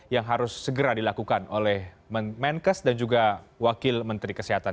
yang harus segera dilakukan oleh menkes dan juga wakil menteri kesehatan